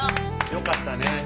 よかったね。